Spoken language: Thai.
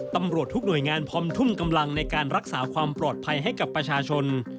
ตำรวจทุกหน่วยงานพร้อมทุ่มกำลังในการรักษาความปลอดภัยให้กับประชาชน